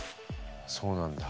そうなんだ。